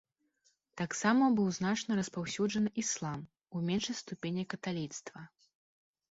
Таксама быў значна распаўсюджаны іслам, у меншай ступені каталіцтва.